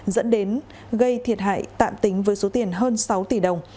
dẫn đến gây thiệt hại tạm tính với số tiền hơn sáu tỷ đồng